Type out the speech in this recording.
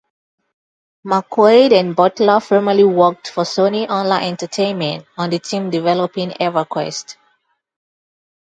McQuaid and Butler formerly worked for Sony Online Entertainment on the team developing "EverQuest".